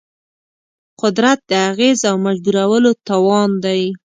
قدرت د اغېز او مجبورولو توان دی.